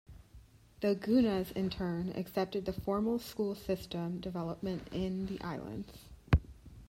The Gunas in turn, accepted the formal school system development in the islands.